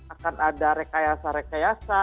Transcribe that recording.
akan ada rekayasa reykayasa